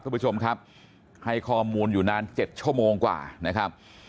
คุณผู้ชมครับให้ข้อมูลอยู่นาน๗ชั่วโมงกว่านะครับ